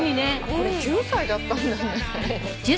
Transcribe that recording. これ９歳だったんだね。